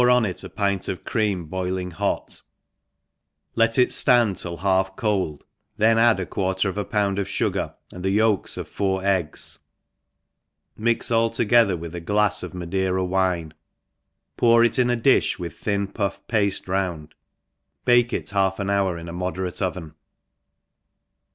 *i it a pint of cream holing hot, Jtet it (land till half cold, then add a quarter of a pound of fugar, atrd the yolks of four eggs, xnit all together with a glafs of Madeira wine, pour it in a dilh^ with thin puff paftc round i bake it half aa hour in a moderate oven.